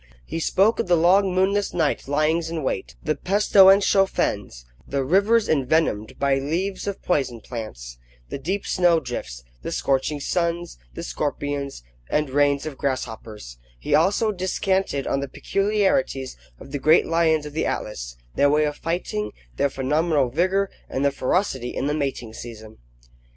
He spoke of the long moonless night lyings in wait, the pestilential fens, the rivers envenomed by leaves of poison plants, the deep snow drifts, the scorching suns, the scorpions, and rains of grasshoppers; he also descanted on the peculiarities of the great lions of the Atlas, their way of fighting, their phenomenal vigour; and their ferocity in the mating season.